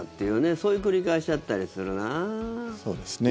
そういう繰り返しだったりするな。